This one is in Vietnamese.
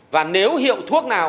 và nếu hiệu thuốc nào